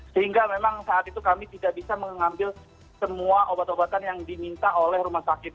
sehingga memang saat itu kami tidak bisa mengambil semua obat obatan yang diminta oleh rumah sakit